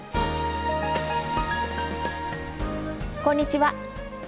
こんにちは。